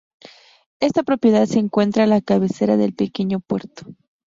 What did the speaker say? Esta propiedad se encuentra a la cabecera del pequeño puerto.